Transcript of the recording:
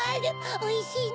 おいしいね！